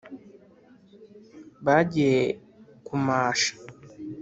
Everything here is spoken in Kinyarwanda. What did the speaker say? bagiye kumasha